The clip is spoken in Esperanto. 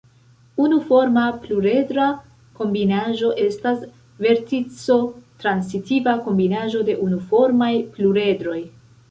Unuforma pluredra kombinaĵo estas vertico-transitiva kombinaĵo de unuformaj pluredroj.